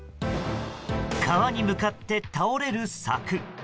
川に向かって倒れる柵。